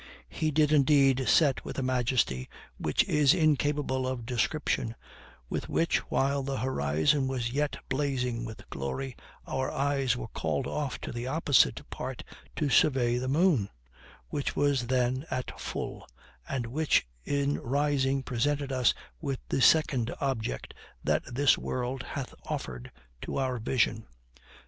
He did indeed set with a majesty which is incapable of description, with which, while the horizon was yet blazing with glory, our eyes were called off to the opposite part to survey the moon, which was then at full, and which in rising presented us with the second object that this world hath offered to our vision.